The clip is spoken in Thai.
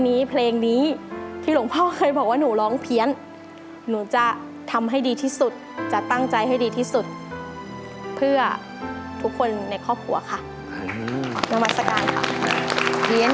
มีเรื่องเขาเรียกว่าแสงมีอ่อน